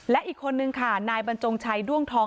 และอีกคนนึงค่ะนายบรรจงชัยด้วงทอง